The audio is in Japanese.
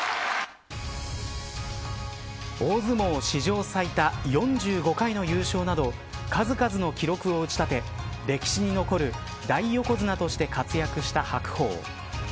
大相撲史上最多４５回の優勝など数々の記録を打ち立て歴史に残る大横綱として活躍した白鵬。